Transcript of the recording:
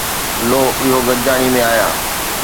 لو، اهي گڏجاڻي ۾ آيا